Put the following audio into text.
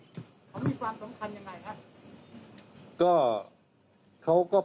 มีความสำคัญมีความต่อมาอย่างไรครับ